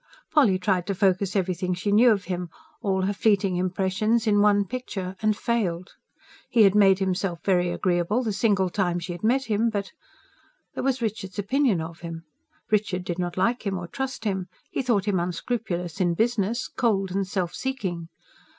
Polly tried to focus everything she knew of him, all her fleeting impressions, in one picture and failed. He had made himself very agreeable, the single time she had met him; but.... There was Richard's opinion of him: Richard did not like him or trust him; he thought him unscrupulous in business, cold and self seeking.